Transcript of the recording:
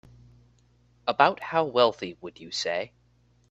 About how wealthy would you say?